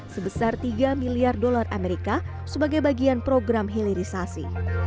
sebesar tiga miliar dolar amerika sebagai bagian program hilirisasi